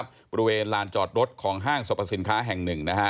บริเวณลานจอดรถของห้างสรรพสินค้าแห่งหนึ่งนะฮะ